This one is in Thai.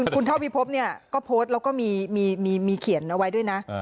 คุณเท่าพิพบเนี่ยก็โพสต์แล้วก็มีเขียนเอาไว้ด้วยนะ